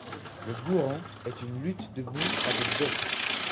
Le gouren est une lutte debout avec veste.